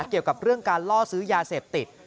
เกี่ยวกับเรื่องการล่อซื้อยาเสพติด